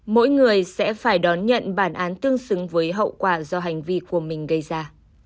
mỗi người sẽ phải đón nhận bản án tương xứng với hậu quả do hành vi của mình gây ra